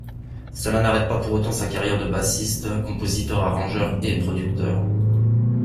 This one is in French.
Cela n'arrête pas pour autant sa carrière de bassiste, compositeur, arrangeur et producteur.